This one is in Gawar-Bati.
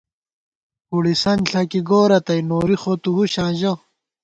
پُڑِسن ݪَکی گورہ تئ ، نوری خو تُو ہُشاں ژَہ